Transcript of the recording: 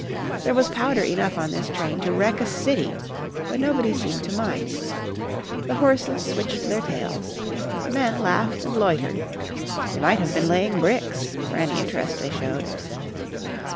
There was "powder" enough on this train to wreck a city, but nobody seemed to mind. The horses switched their tails. The men laughed and loitered. They might have been laying bricks, for any interest they showed.